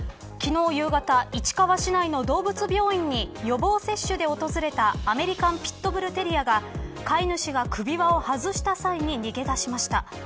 昨日、夕方市川市内の動物病院に予防接種で訪れたアメリカン・ピット・ブル・テリアが飼い主が首輪を外した際に逃げ出しました。